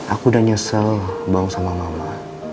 aku udah nyesel bawang sama mama